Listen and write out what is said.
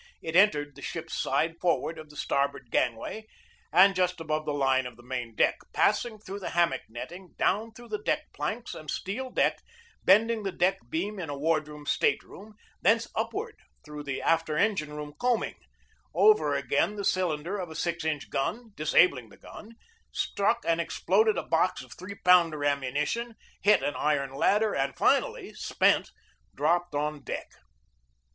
It entered the ship's side forward of the starboard gangway, and just above the line of the main deck, passed through the hammock netting, down through the deck planks and steel deck, bending the deck beam in a ward room state room, thence upward through the after engine room coaming, over against the cylinder of a 6 inch gun, disabling the gun, struck and exploded THE BATTLE OF MANILA BAY 221 a box of three pounder ammunition, hit an iron ladder, and finally, spent, dropped on deck.